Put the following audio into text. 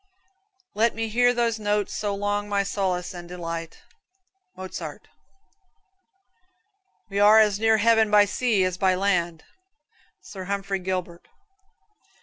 "Let me hear those notes so long my solace and delight." Mozart. "We are as near heaven by sea as by land," Sir Humphrey Gilbert.